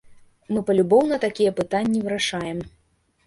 Мы палюбоўна такія пытанні вырашаем.